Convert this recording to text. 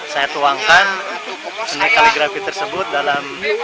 saya tuangkan seni kaligrafi tersebut dalam